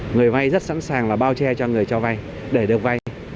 người vai rất sẵn sàng và bao che cho người cho vai để được vai